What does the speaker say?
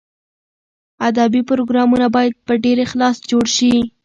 ادبي پروګرامونه باید په ډېر اخلاص جوړ شي.